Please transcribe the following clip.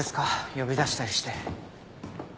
呼び出したりして。